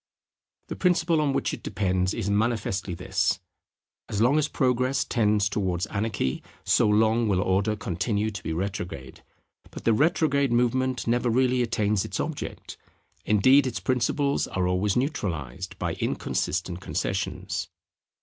The principle on which it depends is manifestly this: As long as Progress tends towards anarchy, so long will Order continue to be retrograde. But the retrograde movement never really attains its object: indeed its principles are always neutralized by inconsistent concessions.